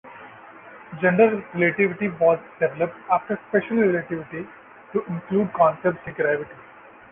General relativity was developed after special relativity to include concepts like gravity.